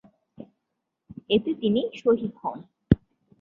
এতে তিনি শহীদ হোন।